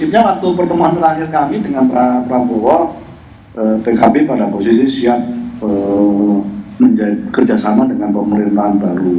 ya prinsipnya waktu pertemuan terakhir kami dengan pak prabowo